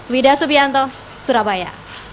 widah subianto surabaya